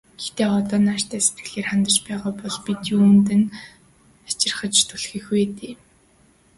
Гэхдээ одоо нааштай сэтгэлээр хандаж байгаа бол бид юунд нь хачирхаж түлхэх вэ дээ.